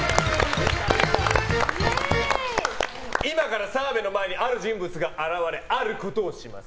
今から澤部の前にある人物が現れあることをします。